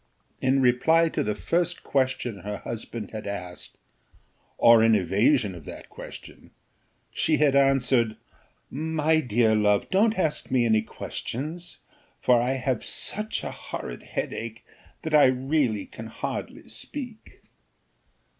In reply to the first question her husband had asked, or in evasion of that question, she had answered, "My dear love, don't ask me any questions, for I have such a horrid headache, that I really can hardly speak."